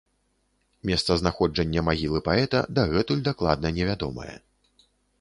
Месцазнаходжанне магілы паэта дагэтуль дакладна невядомае.